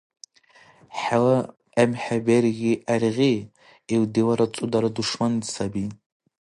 ХӀела эмхӀе берги гӀергъи, ил дилара цӀудара душман саби.